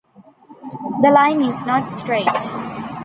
The line is not straight.